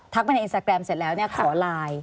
ทักไปในอินสตาแกรมเสร็จแล้วเนี่ยขอไลน์